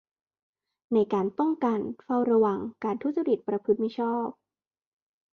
ในการป้องกัน เฝ้าระวัง การทุจริตประพฤติมิชอบ